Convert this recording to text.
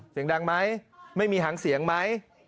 เสียงดังไหมไม่มีหางเสียงไหม